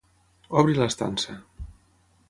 Obre l’estança.